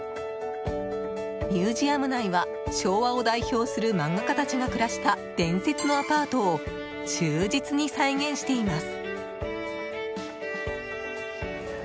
ミュージアム内は昭和を代表する漫画家たちが暮らした伝説のアパートを忠実に再現しています。